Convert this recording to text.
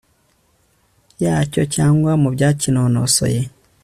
yacyo cyangwa mu byakinonosoye